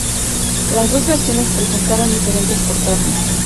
Las dos versiones presentaban diferentes portadas.